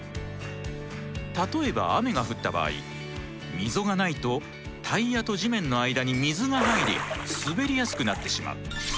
例えば雨が降った場合溝がないとタイヤと地面の間に水が入り滑りやすくなってしまう。